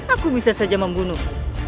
aku bisa saja membunuh